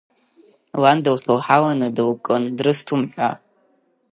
Лан дылхьынҳаланы дылкын, дрысҭом ҳәа.